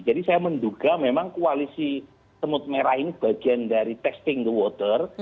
saya menduga memang koalisi semut merah ini bagian dari testing the water